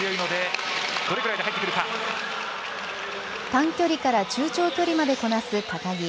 短距離から中長距離までこなす高木。